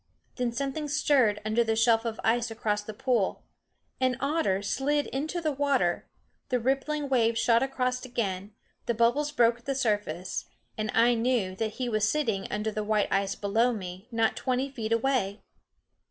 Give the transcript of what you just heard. Then something stirred under the shelf of ice across the pool. An otter slid into the water; the rippling wave shot across again; the bubbles broke at the surface; and I knew that he was sitting under the white ice below me, not twenty feet away.